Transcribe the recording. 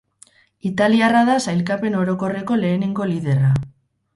Italiarra da sailkapen orokorreko lehenengo liderra.